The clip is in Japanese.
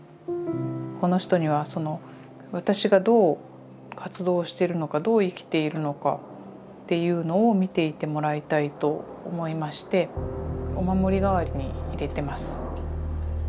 この人には私がどう活動してるのかどう生きているのかっていうのを見ていてもらいたいと思いましてお守り代わりに入れてます。